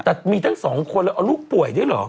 แต่มีทั้งสองคนแล้วเอาลูกป่วยด้วยเหรอ